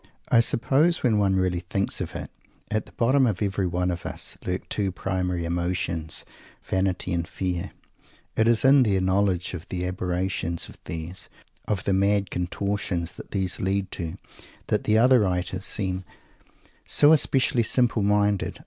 I suppose, when one really thinks of it, at the bottom of every one of us lurk two primary emotions vanity and fear. It is in their knowledge of the aberrations of these, of the mad contortions that these lead to, that the other writers seem so especially simple minded.